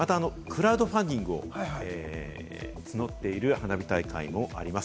また、クラウドファンディングを募っている花火大会もあります。